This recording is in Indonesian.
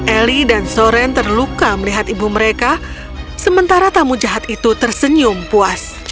eli dan soren terluka melihat ibu mereka sementara tamu jahat itu tersenyum puas